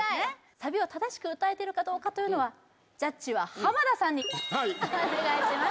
サビを正しく歌えているかどうかというのはジャッジは浜田さんにお願いします